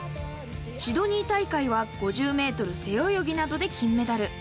シドニー大会は５０メートル背泳ぎなどで金メダル。